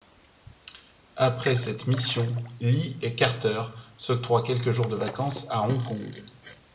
Après cette mission, Lee et Carter s'octroient quelques jours de vacances à Hong Kong.